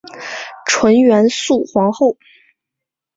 纯元肃皇后。